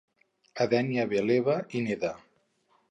A Dènia ve l'Eva i neda.